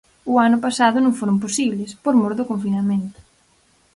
O ano pasado non foron posibles, por mor do confinamento.